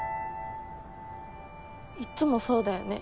いっつもそうだよね。